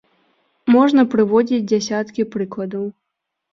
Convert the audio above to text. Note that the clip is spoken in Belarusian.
Можна прыводзіць дзясяткі прыкладаў.